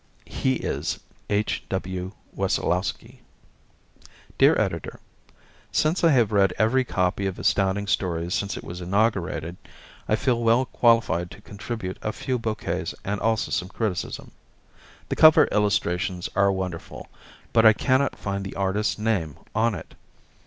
He is H. W. Wessolowski Dear Editor: Since I have read every copy of Astounding Stories since it was inaugurated I feel well qualified to contribute a few bouquets and also some criticism. The cover illustrations are wonderful but I cannot find the artist's name on it.